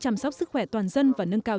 chăm sóc sức khỏe toàn dân và nâng cao